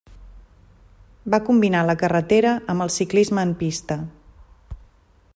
Va combinar la carretera amb el ciclisme en pista.